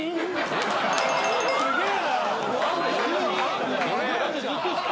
すげえ。